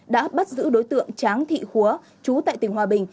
đã bắt giữ đối tượng tráng thị khuấ chú tại tỉnh hòa bình